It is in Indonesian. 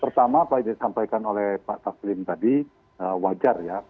pertama apa yang disampaikan oleh pak taslim tadi wajar ya